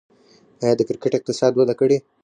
آیا د کرکټ اقتصاد وده کړې؟